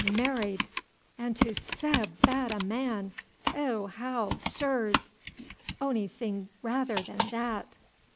"Married! and to sae bad a man Ewhow, sirs! onything rather than that."